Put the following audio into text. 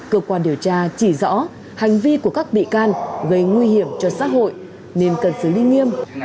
cơ quan điều tra chỉ rõ hành vi của các bị can gây nguy hiểm cho xã hội nên cần xử lý nghiêm